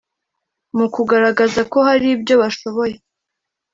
mu kugaragaza ko hari ibyo bashoboye